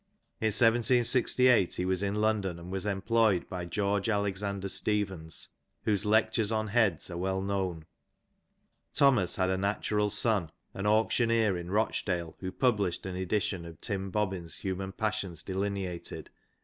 In 1768 he was in London, and was employed by George Alexander Stevens, whose Lecture$ an Heads are well known. Thomas had a natural son, an auctioneer in Rochdale, who published an edition of Tim Bobbin's Human Pai^ eions Delineated, 1809.